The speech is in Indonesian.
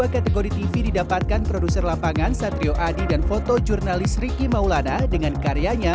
kategori tv didapatkan produser lapangan satrio adi dan foto jurnalis riki maulana dengan karyanya